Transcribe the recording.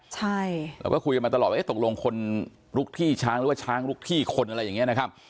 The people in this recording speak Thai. ใช่เราก็คุยกันมาตลอดว่าตกลงคนลุกที่ช้างหรือว่าช้างลุกที่คนอะไรอย่างนี้นะครับ